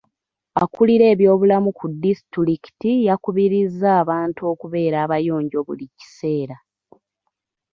Akulira ebyobulamu ku disitulikiti yakubirizza abantu okubeera abayonjo buli kiseera.